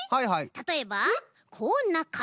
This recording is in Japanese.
たとえばこんなかたち。